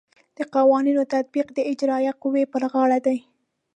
د قوانینو تطبیق د اجرائیه قوې پر غاړه دی.